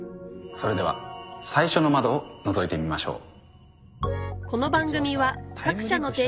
それでは最初の窓をのぞいてみましょう。